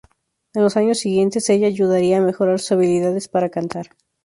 En los años siguientes, ella ayudaría a mejorar sus habilidades para cantar.